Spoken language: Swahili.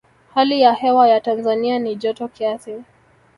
hali ya hewa ya tanzania ni joto kiasi